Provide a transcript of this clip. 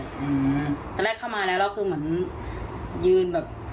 อืมตอนแรกเข้ามาแล้วแล้วคือเหมือนยืนแบบ